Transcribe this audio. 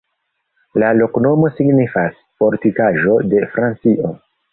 La loknomo signifas: Fortikaĵo de Francio.